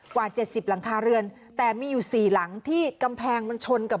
กว่าเจ็ดสิบหลังคาเรือนแต่มีอยู่สี่หลังที่กำแพงมันชนกับ